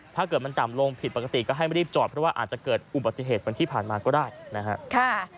ถ้าเกิดมันต่ำลงผิดปกติก็ให้รีบจอดเพราะว่าอาจจะเกิดอุบัติเหตุเหมือนที่ผ่านมาก็ได้นะครับ